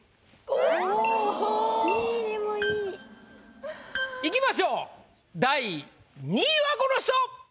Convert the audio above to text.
・おぉ・・２位でもいい・いきましょう第２位はこの人！